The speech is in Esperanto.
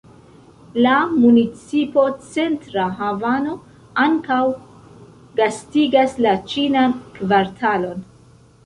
La municipo Centra havano ankaŭ gastigas la Ĉinan kvartalon.